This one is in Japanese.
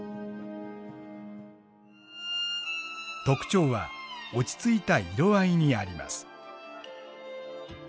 特徴は落ち着いた色合いにあります。